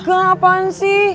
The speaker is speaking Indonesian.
gak apaan sih